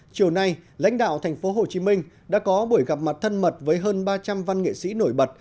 chiều nay lãnh đạo thành phố hồ chí minh đã có buổi gặp mặt thân mật với hơn ba trăm linh văn nghệ sĩ nổi bật